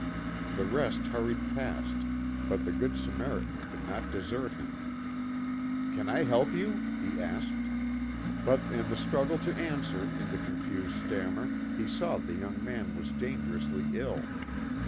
The rest hurried past, but the Good Samaritan could not desert him. " Can I help 167 l68 THE GOOD SAMARITAN. you ?" he asked ; but in the struggle to answer, in the confused stammer, he saw the young man was dangerously ill.